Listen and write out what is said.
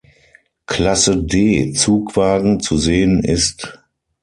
Klasse-D-Zugwagen zu sehen ist.